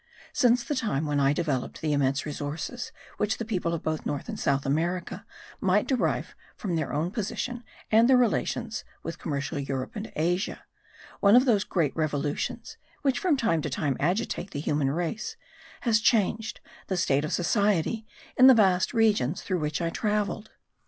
Since the time when I developed the immense resources which the people of both North and South America might derive from their own position and their relations with commercial Europe and Asia, one of those great revolutions which from time to time agitate the human race has changed the state of society in the vast regions through which I travelled.